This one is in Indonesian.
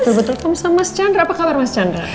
betul betul sama mas chandra apa kabar mas chandra